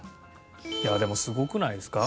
いやでもすごくないですか？